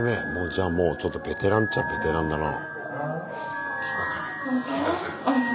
じゃあもうちょっとベテランっちゃベテランだな。